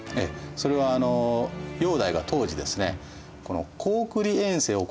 それは煬帝が当時ですね